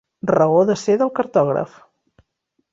Raó de ser del cartògraf.